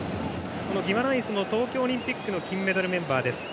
このギマランイスも東京オリンピックの金メダルメンバーです。